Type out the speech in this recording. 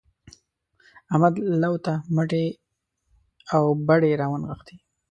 احمد لو ته مټې او بډې راونغښتې.